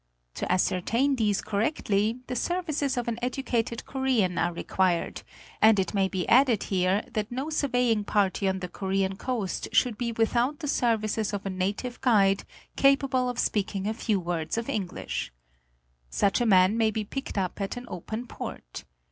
To ascertain these correctly the services of an educated Korean are required ; and it may be added here that no surveying party on the Korean coast should be without the services of a native guide, capable of speaking a few words of English. Such a man may be picked up at an open port.